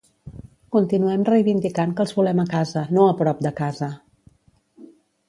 Continuem reivindicant que els volem a casa, no a prop de casa!